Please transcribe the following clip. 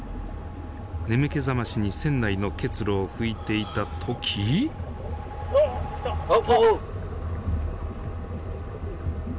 眠気覚ましに船内の結露を拭いていた時おっきた。